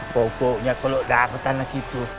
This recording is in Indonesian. pokoknya kalo dapet anak itu